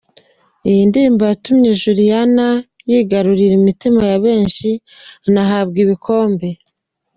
Iyi ndirimbo yatumye Juliana yigarurira imitima ya benshi anahabwa ibikombe.